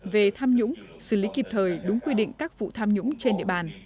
về tham nhũng xử lý kịp thời đúng quy định các vụ tham nhũng trên địa bàn